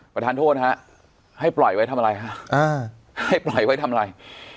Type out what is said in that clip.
ประธานโทษฮะให้ปล่อยไว้ทำอะไรฮะให้ปล่อยไว้ทำอะไร